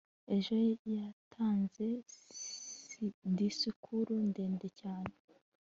ejo yatanze disikuru ndende cyane